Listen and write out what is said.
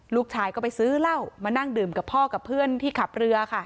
ลูกชายก็ไปซื้อเหล้ามานั่งดื่มกับพ่อกับเพื่อนที่ขับเรือค่ะ